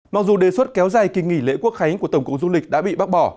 mặc dù đề xuất kéo dài kỳ nghỉ lễ quốc khánh của tổng cụng du lịch đã bị bác bỏ